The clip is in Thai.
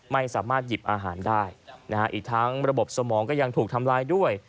ไม่สามารถหยิบอาหารได้นะฮะอีกทั้งระบบสมองก็ยังถูกทำลายด้วย